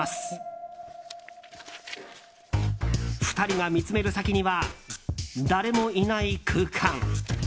２人が見つめる先には誰もいない空間。